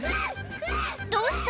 どうした？